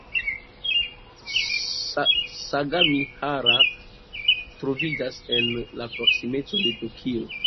Sagamihara troviĝas en la proksimeco de Tokio.